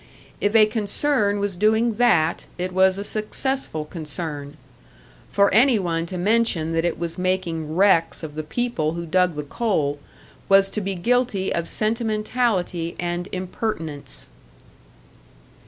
If a concern was doing that, it was a successful concern; for any one to mention that it was making wrecks of the people who dug the coal, was to be guilty of sentimentality and impertinence.